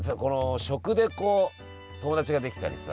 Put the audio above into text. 食で友達ができたりさ。